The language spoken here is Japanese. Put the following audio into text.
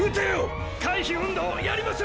回避運動やります！